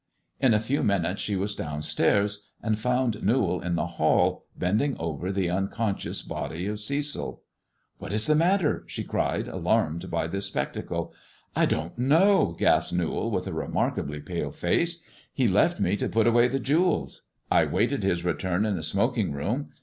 In a few minutes she was down stairs, and found Newall in the hall bending over the unconscious body of Cecil. What is the matter 1 " she cried, alarmed by this spectacle. "I don't know," gasped Newall, with a remarkably pale face; he left me to put away the jewels. I waited his return in the smoking room.